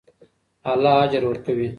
الله اجر ورکوي.